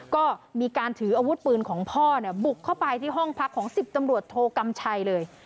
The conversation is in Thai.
ก็มีการถืออาวุธปืนของพ่อบุกเข้าไปที่ห้องพักของ๑๐ตำรวจโทกำชัยเลย